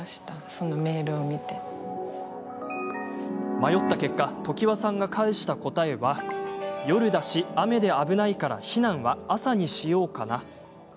迷った結果、常和さんが返した答えは「夜だし雨で危ないから、避難は朝にしようかな」。